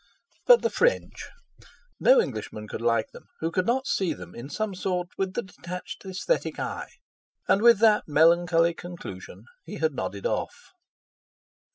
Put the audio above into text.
But the French—no Englishman could like them who could not see them in some sort with the detached aesthetic eye! And with that melancholy conclusion he had nodded off.